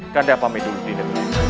kandai apamiduh dinda